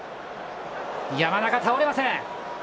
山中、倒れません。